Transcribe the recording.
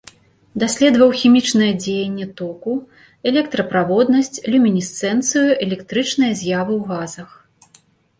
Даследаваў хімічнае дзеянне току, электраправоднасць, люмінесцэнцыю, электрычныя з'явы ў газах.